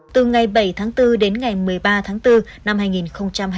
từ ngày bảy tháng bốn đến ngày một mươi ba tháng bốn năm hai nghìn hai mươi bốn